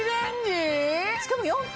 しかも４分！